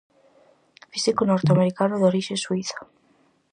Físico norteamericano de orixe suíza.